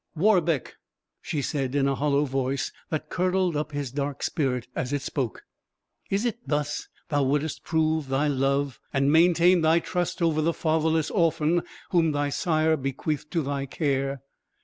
"Warbeck," she said in a hollow voice, that curdled up his dark spirit as it spoke, "Is it thus thou wouldst prove thy love, and maintain thy trust over the fatherless orphan whom thy sire bequeathed to thy care?